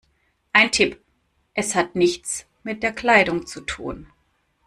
Ein Tipp: Es hat nichts mit der Kleidung zu tun.